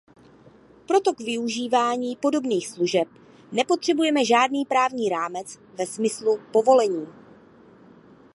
Proto k využívání podobných služeb nepotřebuje žádný právní rámec ve smyslu povolení.